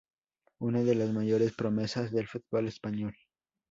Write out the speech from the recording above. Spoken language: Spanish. Una de las mayores promesas del fútbol español.